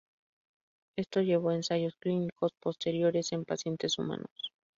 Esto llevó a ensayos clínicos posteriores en pacientes humanos.